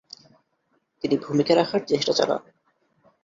তিনি ভূমিকা রাখার চেষ্টা চালান।